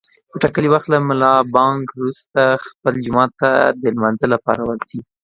په ټاکلي وخت له ملابانګ روسته خلک جومات ته د لمانځه لپاره ورځي.